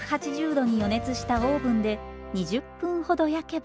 ℃に予熱したオーブンで２０分ほど焼けば。